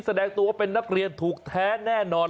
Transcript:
แสดงตัวเป็นนักเรียนถูกแท้แน่นอน